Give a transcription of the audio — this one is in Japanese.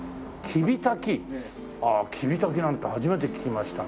キビタキなんて初めて聞きました。